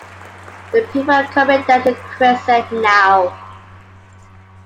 The people are coming down the crescent now.